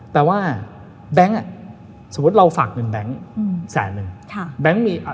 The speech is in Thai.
แปลว่าแบงค์สมมติเราฝากเงินแบงค์แสนหนึ่ง